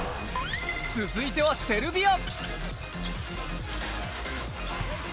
続いてはセルビア。